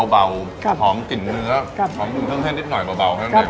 ไม่มีส่วนผสมอื่นนะครับ